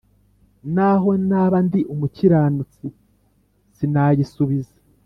naho naba ndi umukiranutsi sinayisubiza,